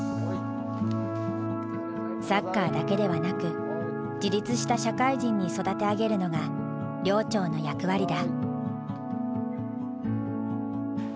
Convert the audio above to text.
サッカーだけではなく自立した社会人に育て上げるのが寮長の役割だ。